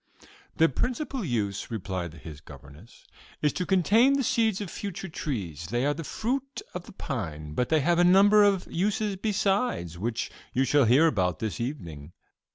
"Their principal use," replied his governess, "is to contain the seeds of future trees: they are the fruit of the pine; but they have a number of uses besides, which you shall hear about this evening."